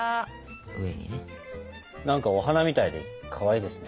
何かお花みたいでかわいいですね。